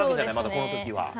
この時は。